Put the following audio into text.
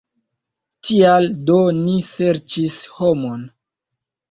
Tial do ni serĉis homon.